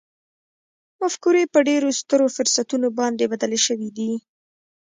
مفکورې په ډېرو سترو فرصتونو باندې بدلې شوې دي